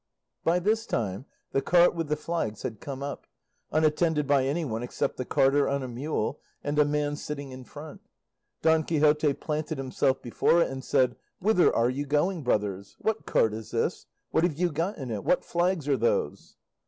By this time the cart with the flags had come up, unattended by anyone except the carter on a mule, and a man sitting in front. Don Quixote planted himself before it and said, "Whither are you going, brothers? What cart is this? What have you got in it? What flags are those?"